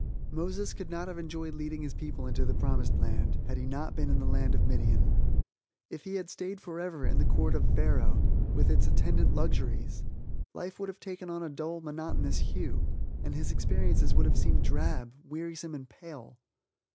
Moses could not have enjoyed leading his people into the promised land, had he not been in the land of Midian. If he had stayed forever in the Court of Pharaoh, with its attendant luxuries, life would have taken on a dull, monotonous hue, and his experience would have seemed drab, wearisome and pale.